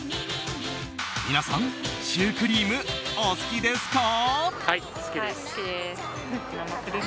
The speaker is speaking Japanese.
皆さん、シュークリームお好きですか？